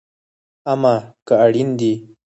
امه که اړين دي